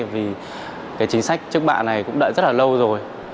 vì chính sách trước bã này cũng đợi rất là lâu rồi